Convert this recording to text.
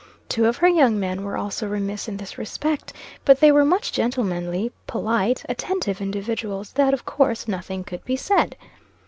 Two of her young men were also remiss in this respect, but they were such gentlemanly, polite, attentive individuals, that, of course, nothing could be said.